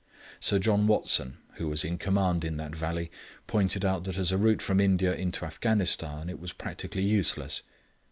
Sir John Watson, who was in command in that valley, pointed out that as a route from India into Afghanistan it was practically useless.